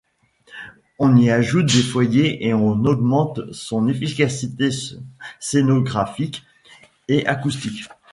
On y ajoute des foyers et on augmente son efficacité scénographique et acoustique.